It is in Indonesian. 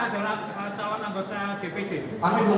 kedua merupakan anak pejabat